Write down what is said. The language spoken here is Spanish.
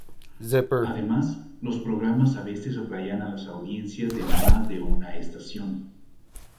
Además, los programas a veces atraían a las audiencias de más de una estación.